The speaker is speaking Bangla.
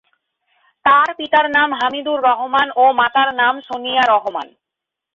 তার পিতার নাম হামিদুর রহমান ও মাতার নাম সোনিয়া রহমান।